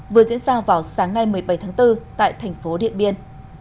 vừa diễn ra vào sáng nay một mươi bảy tháng bốn tại thành phố điện biên